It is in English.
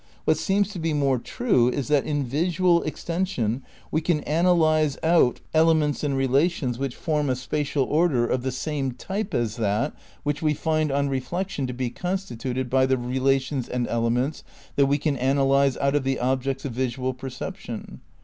What seems to be more true is that in visual extension we can analyse out elements and relations which form a spatial order of the same type as that which we find on reflection to be constituted by the relations and elements that we can analyse out of the objects of visual perception.